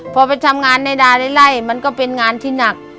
พอไปทำงานในด่าในไล่มันก็เป็นงานที่หนัก